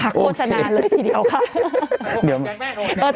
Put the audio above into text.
พักโศนาเลยทีเดียวค่ะ